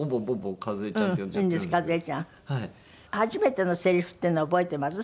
初めてのせりふっていうの覚えてます？